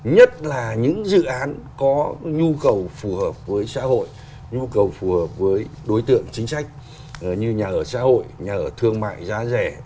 nhất là những dự án có nhu cầu phù hợp với xã hội nhu cầu phù hợp với đối tượng chính sách như nhà ở xã hội nhà ở thương mại giá rẻ